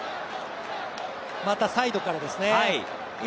またサイドからですね。